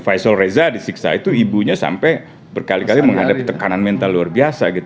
faisal reza disiksa itu ibunya sampai berkali kali menghadapi tekanan mental luar biasa